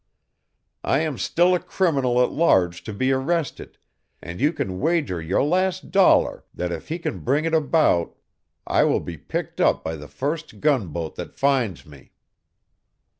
I am still a criminal at large to be arrested, and you can wager your last dollar that if he can bring it about I will be picked up by the first gunboat that finds me."